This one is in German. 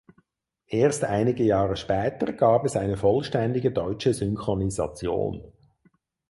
Erst einige Jahre später gab es eine vollständige deutsche Synchronisation.